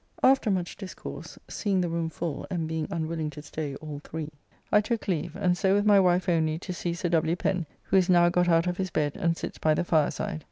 After much discourse, seeing the room full, and being unwilling to stay all three, I took leave, and so with my wife only to see Sir W. Pen, who is now got out of his bed, and sits by the fireside.